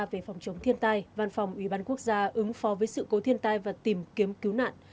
về phòng chống thiên tai văn phòng ủy ban quốc gia ứng phó với sự cố thiên tai và tìm kiếm cứu nạn